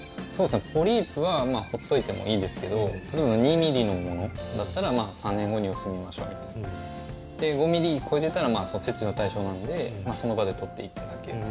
ポリープは放っておいてもいいんですけど例えば２ｍｍのものだったら３年後に様子見ましょうみたいな５ｍｍを超えていたら切除の対象なのでその場で取っていただける。